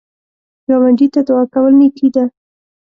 ګاونډي ته دعا کول نیکی ده